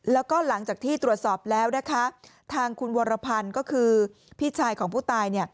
แล้วก็หลังจากที่ตรวจสอบแล้วนะคะทางคุณวรพันธ์ก็คือพี่ชายของผู้ตาย